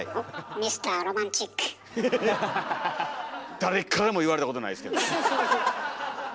誰からも言われたことないですけども。